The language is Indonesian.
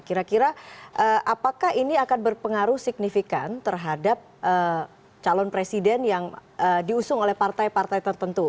kira kira apakah ini akan berpengaruh signifikan terhadap calon presiden yang diusung oleh partai partai tertentu